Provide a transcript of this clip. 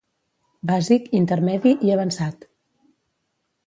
Bàsic, intermedi i avançat.